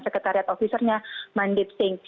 sekretariat ofisernya mandip singh